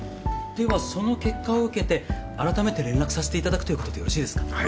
ではその結果を受けて改めて連絡させていただくということでよろしいですか？